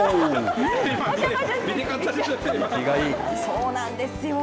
そうなんですよ。